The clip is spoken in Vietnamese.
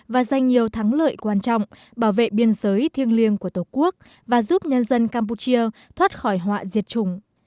và giành nhiều thắng lợi quan trọng bảo vệ biên giới thiêng liêng của tổ quốc và giúp nhân dân campuchia thoát khỏi họa diệt chủng